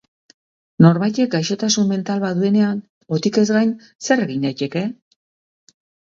Norbaitek gaixotasun mental bat duenean, botikez gain, zer egin daiteke?